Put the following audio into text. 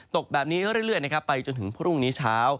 ตกแบบนี้เรื่อยนะครับไปจนถึงพรุ่งนี้เช้า